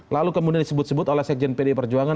lalu kemudian disebut sebut oleh sekjen pdi perjuangan